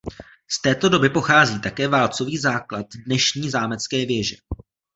Z této doby také pochází válcový základ dnešní zámecké věže.